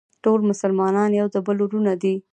ټول مسلمانان د یو بل وروڼه دي.